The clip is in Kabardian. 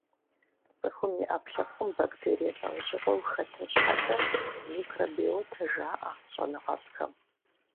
Цӏыхум и ӏэпкълъэпкъым бактерие лӏэужьыгъуэу хэтым щхьэкӏэ микробиотэ жаӏэ щӏэныгъэлӏхэм.